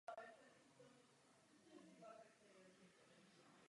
Získali ho švédští hokejisté.